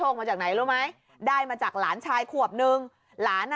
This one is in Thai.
โอ้โหกี่ใบนั้นอะ